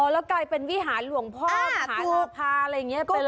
อ๋อแล้วกลายเป็นวิหารหลวงพ่อมหานภาพอะไรอย่างเงี้ยไปเลย